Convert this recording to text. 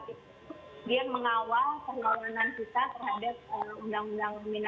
tapi kita juga lebih ingin melihat bagaimana kita bisa lebih melibatkan lagi lebih banyak pihak atau lebih banyak stakeholders gitu ya